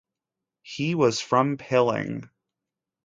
He was from Pilling.